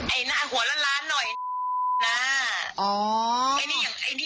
ไอ้หน้าหัวล้านเหล่าเนี่ยไอ้น้าอ๋อ